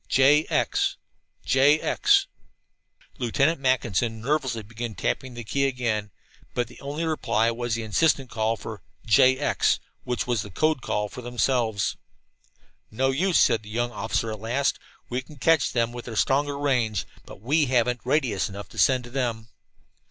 J X. J X. J X." Lieutenant Mackinson nervously began tapping the key again, but the only reply was the insistent call for J X, which was the code call for themselves. "No use," said the young officer at last. "We can catch them, with their stronger range, but we haven't radius enough to send to them."